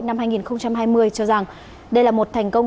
năm hai nghìn hai mươi cho rằng đây là một thành công